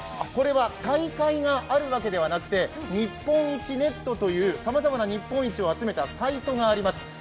これは大会があるわけではなくて日本一ネットという、様々な日本一を集めたサイトがあります。